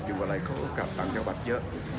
อยู่อะไรเขาก็กลับต่างจังหวัดเยอะ